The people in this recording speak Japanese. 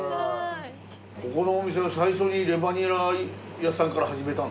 ここのお店は最初にレバにら屋さんから始めたんですか？